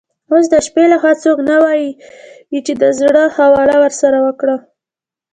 اوس د شپې له خوا څوک نه وي چي د زړه خواله ورسره وکړم.